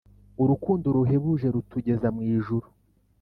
Urukundo ruhebuje, rutugeza mw ijuru